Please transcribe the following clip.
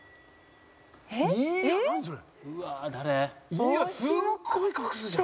いやすごい隠すじゃん！